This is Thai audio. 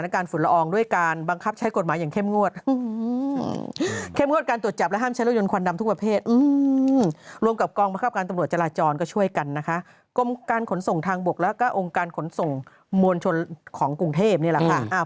กรมการขนส่งทางบวกและกรมการขนส่งมวลชนของกรุงเทพนี่ล่ะค่ะ